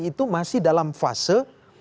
itu masih dalam fase